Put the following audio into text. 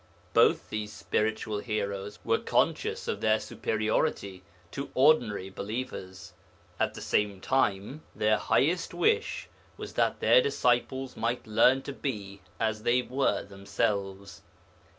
Both these spiritual heroes were conscious of their superiority to ordinary believers; at the same time their highest wish was that their disciples might learn to be as they were themselves.